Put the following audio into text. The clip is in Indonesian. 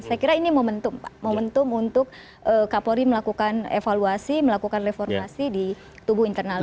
saya kira ini momentum untuk kapolri melakukan evaluasi melakukan reformasi di tubuh internal